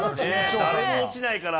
誰も落ちないから。